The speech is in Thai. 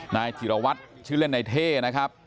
นายธิรวัตรชื่อเล่นนายเท่นะครับ